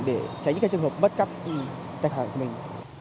để tránh những trường hợp bất cấp khách hàng của mình